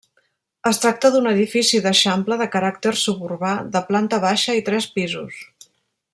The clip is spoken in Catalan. Es tracta d'un edifici d'eixample de caràcter suburbà, de planta baixa i tres pisos.